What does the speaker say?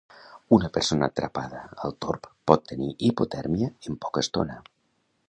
Una persona atrapada al torb pot tenir hipotèrmia en poca estona.